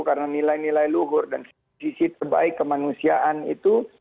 karena nilai nilai luhur dan sisi terbaik kemanusiaan itu